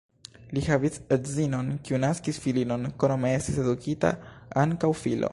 Li havis edzinon, kiu naskis filinon, krome estis edukita ankaŭ filo.